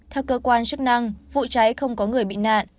theo cơ quan chức năng vụ cháy không có người bị nạn